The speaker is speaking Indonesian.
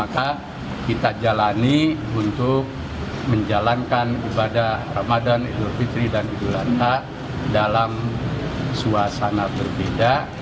maka kita jalani untuk menjalankan ibadah ramadan idul fitri dan idul adha dalam suasana berbeda